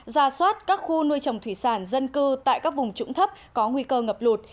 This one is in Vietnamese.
ra soát các khu nuôi trồng thủy sản dân cư tại các vùng trũng thấp có nguy cơ ngập lụt